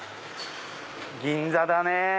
銀座だね。